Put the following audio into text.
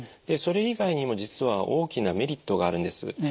でそれ以外にも実は大きなメリットがあるんです。